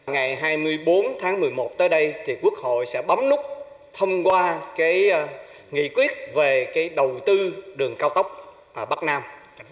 ngày hai mươi bốn tháng một mươi một tới đây thì quốc hội sẽ bấm nút thông qua nghị quyết về đầu tư đường cao tốc bắc nam